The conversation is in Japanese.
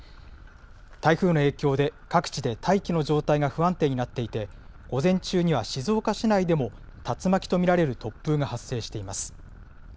台風の影響で各地で大気の状態が不安定になっていて、午前中には静岡市内でも竜巻と見られる突風が発生しています。